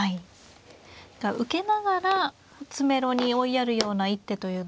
受けながら詰めろに追いやるような一手というのも。